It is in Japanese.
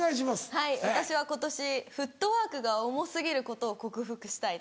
はい私は今年フットワークが重過ぎることを克服したいと。